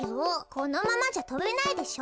このままじゃとべないでしょ。